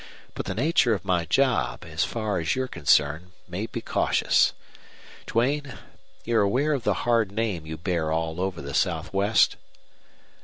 But the nature of my job, as far as you're concerned, made me cautious. Duane, you're aware of the hard name you bear all over the Southwest?"